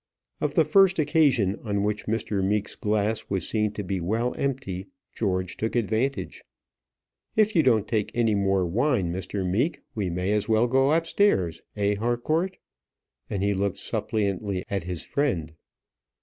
Of the first occasion on which Mr. Meek's glass was seen to be well empty, George took advantage. "If you don't take any more wine, Mr. Meek, we may as well go upstairs; eh, Harcourt?" and he looked suppliantly at his friend.